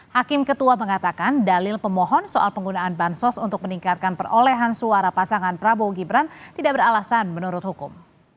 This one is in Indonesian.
hakim ketua mengatakan dalil pemohon soal penggunaan bansos untuk meningkatkan perolehan suara pasangan prabowo gibran tidak beralasan menurut hukum